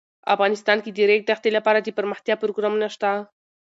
افغانستان کې د د ریګ دښتې لپاره دپرمختیا پروګرامونه شته.